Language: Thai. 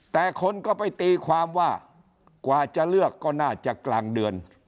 แต่คนก็ไปตีความว่ากว่าจะเลือกก็น่าจะกลางเดือน